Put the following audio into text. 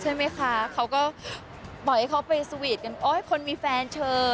ใช่ไหมคะเขาก็บอกให้เข้าไปสวีทกัน